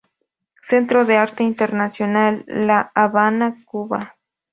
Centro de Arte Internacional, La Habana, Cuba.